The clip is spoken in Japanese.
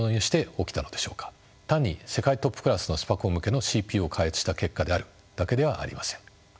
単に世界トップクラスのスパコン向けのＣＰＵを開発した結果であるだけではありません。